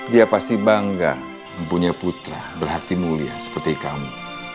dia pasti bangga mempunyai putra berarti mulia seperti kamu